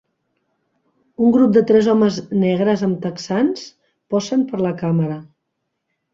Un grup de tres homes negres amb texans posen per la càmera.